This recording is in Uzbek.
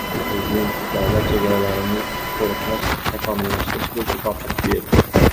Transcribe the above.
Prezident davlat chegaralarini qo‘riqlashni takomillashtirish bo‘yicha topshiriq berdi